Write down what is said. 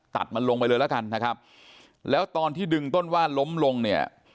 ตัดมันลงไปเลยแล้วกันนะครับแล้วตอนที่ดึงต้นว่านล้มลงเนี่ย